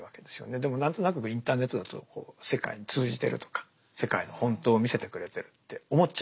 でも何となくインターネットだと世界に通じてるとか世界の本当を見せてくれてるって思っちゃいますよね。